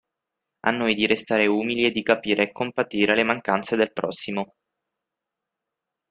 A noi di restare umili e di capire e compatire le mancanze del prossimo.